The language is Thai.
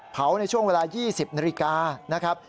ในช่วงเวลา๒๐นาฬิกานะครับ